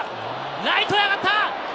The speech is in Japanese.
ライトへ上がった！